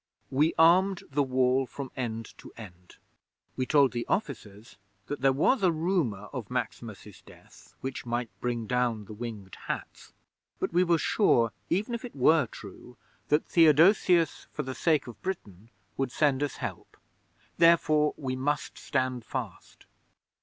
'We armed the Wall from end to end; we told the officers that there was a rumour of Maximus's death which might bring down the Winged Hats, but we were sure, even if it were true, that Theodosius, for the sake of Britain, would send us help. Therefore, we must stand fast.